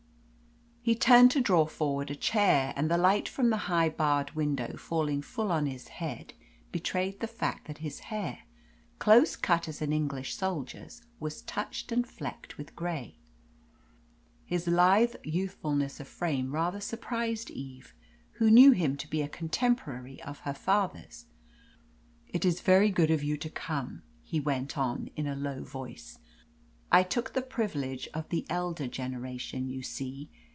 He turned to draw forward a chair, and the light from the high, barred window falling full on his head, betrayed the fact that his hair, close cut as an English soldier's, was touched and flecked with grey. His lithe youthfulness of frame rather surprised Eve, who knew him to be a contemporary of her father's. "It is very good of you to come," he went on in a low voice. "I took the privilege of the elder generation, you see!